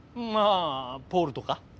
まあポールとか。